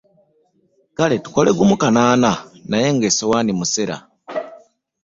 Kale tukole gumu kanaana naye nga essowaani musera.